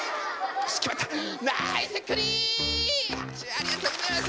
ありがとうございます。